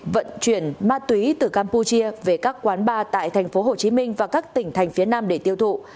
vận chuyển ma túy từ campuchia về các quán bar tại tp hcm và các tỉnh thành phía nam để tiêu thụ